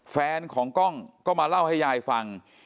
แฟนของกล้องก็มาเล่าให้ยายฟัง